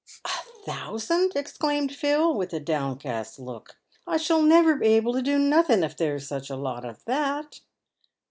" A thousand !" exclaimed Phil, with a downcast look. " I shall never be able to do nothing if there's such a lot as that."